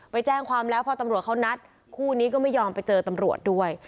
ไปแจ้งความแล้วพอตำรวจเขานัดคู่นี้ก็ไม่ยอมไปเจอตำรวจด้วย